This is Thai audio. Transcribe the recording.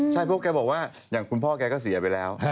ใช่เพราะแกบอกว่าอย่างคุณพ่อแกก็เสียไปแล้ว